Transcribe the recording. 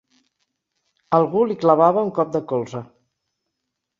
Algú li clavava un cop de colze.